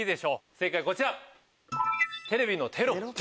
正解こちら。